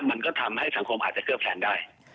มันก็ทำให้สังคมอาจจะเคลือบแคลงได้